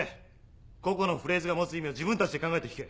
個々のフレーズが持つ意味を自分たちで考えて弾け。